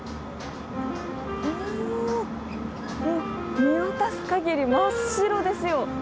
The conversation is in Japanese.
お見渡す限り真っ白ですよ！